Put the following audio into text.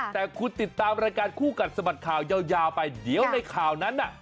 แต่คุณติดตามรายการคู่กัดสะบัดข่าวยาวไปเดี๋ยวในข่าวนั้นน่ะ